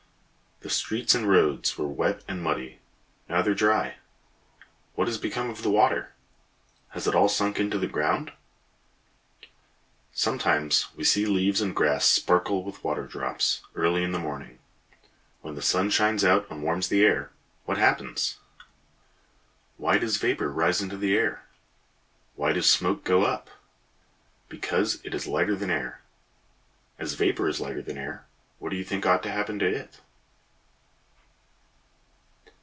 The streets and roads were wet and muddy, now they are dry. What has become of the water? Has it all sunk into the ground? Sometimes we see leaves and grass sparkle with water drops, early in the morning, When the sun shines out and warms the air; what happens? Why does vapor rise into the air? Why does smoke go up? Because it is lighter than air. As vapor is lighter than air; what do you think ought to happen to it?